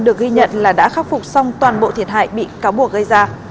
được ghi nhận là đã khắc phục xong toàn bộ thiệt hại bị cáo buộc gây ra